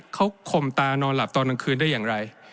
เขาคมตานอนหลับตอนกลางคืนได้อย่างไร